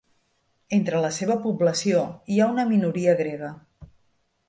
Entre la seva població hi ha una minoria grega.